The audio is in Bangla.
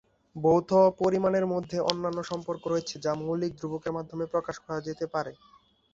ভৌত পরিমাণের মধ্যে অন্যান্য সম্পর্ক রয়েছে যা মৌলিক ধ্রুবকের মাধ্যমে প্রকাশ করা যেতে পারে।